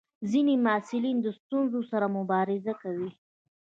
ځینې محصلین د ستونزو سره مبارزه کوي.